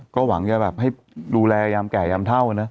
ก็หวังจะให้ดูแลอย่างแก่อย่างเท่า